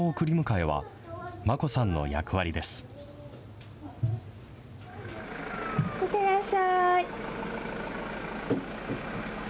いってらっしゃい。